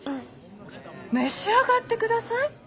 召し上がって下さい。